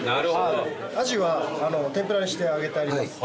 アジは天ぷらにして揚げてあります。